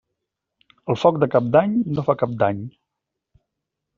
El foc de Cap d'Any no fa cap dany.